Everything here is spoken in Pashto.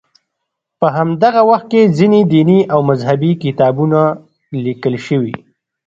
په همدغه وخت کې ځینې دیني او مذهبي کتابونه لیکل شوي.